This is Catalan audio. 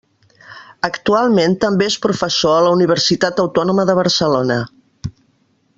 Actualment també és professor a la Universitat Autònoma de Barcelona.